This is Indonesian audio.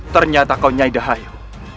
ternyata kau nyai dahayu